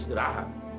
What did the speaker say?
evita harus istirahat